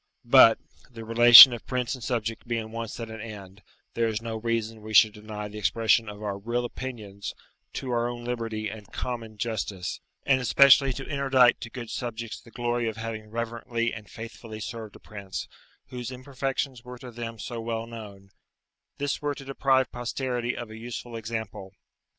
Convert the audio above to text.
But, the relation of prince and subject being once at an end, there is no reason we should deny the expression of our real opinions to our own liberty and common justice, and especially to interdict to good subjects the glory of having reverently and faithfully served a prince, whose imperfections were to them so well known; this were to deprive posterity of a useful example.